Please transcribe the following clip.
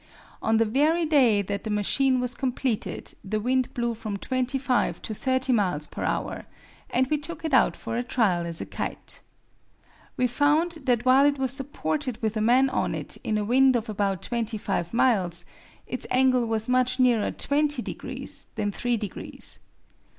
On the very day that the machine was completed the wind blew from 25 to 30 miles per hour, and we took it out for a trial as a kite. We found that while it was supported with a man on it in a wind of about 25 miles, its angle was much nearer 20 degrees than three degrees.